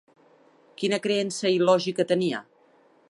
Quina creença il·lògica tenia?